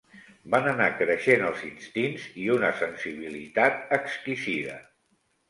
Van anar creixent els instints i una sensibilitat exquisida